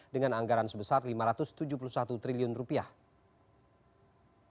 dan menjadikan pusat bisnis bersekala regional dan internasional